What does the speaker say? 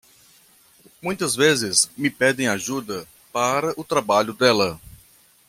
Muitas vezes me pedem ajuda para o trabalho dela.